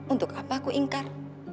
untuk apa aku ingkar